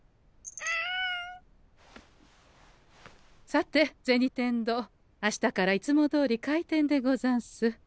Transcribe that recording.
さて銭天堂明日からいつもどおり開店でござんす。